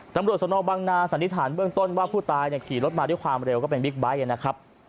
ตำรวจสนบังนาสันนิษฐานเบื้องต้นว่าผู้ตายขี่รถมาด้วยความเร็วก็เป็นบิ๊กไบท์นะครับ